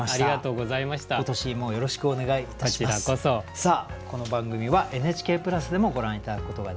さあこの番組はＮＨＫプラスでもご覧頂くことができます。